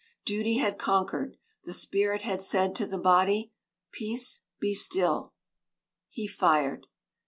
Duty had conquered; the spirit had said to the body: "Peace, be still." He fired.